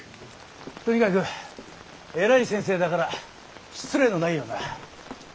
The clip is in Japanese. とにかく偉い先生だから失礼のないようにな。